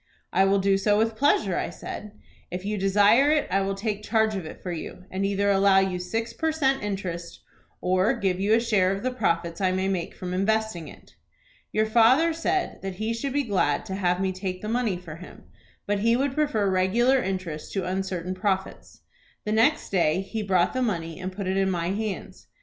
"'I will do so with pleasure,' I said. 'If you desire it I will take charge of it for you, and either allow you six per cent, interest, or give you a share of the profits I may make from investing it.'" "Your father said that he should be glad to have me take the money for him, but he would prefer regular interest to uncertain profits. The next day he brought the money, and put it in my hands.